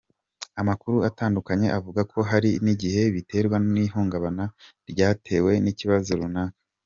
Amakuru atandukanye avuga ko hari n’igihe biterwa n’ihungabana ryatewe n’ikibazo runaka.